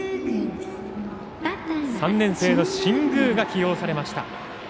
３年生の新宮が起用されました。